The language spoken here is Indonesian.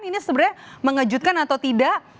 ini sebenarnya mengejutkan atau tidak